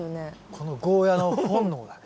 このゴーヤーの本能だね。